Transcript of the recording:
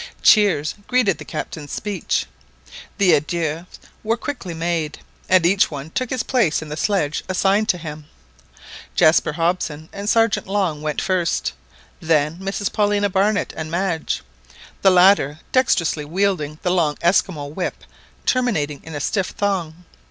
Cheers greeted the Captain's speech, the adieux were quickly made, and each one took his place in the sledge assigned to him. Jaspar Hobson and Sergeant Long went first; then Mrs Paulina Barnett and Madge, the latter dexterously wielding the long Esquimaux whip, terminating in a stiff thong.